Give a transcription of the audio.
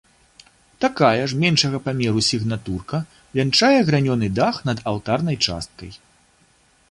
Такая ж меншага памеру сігнатурка вянчае гранёны дах над алтарнай часткай.